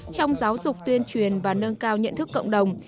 trong giáo dục tuyên truyền và nâng cao nhận thức cộng đồng